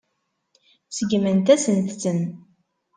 Seggment-asent-ten.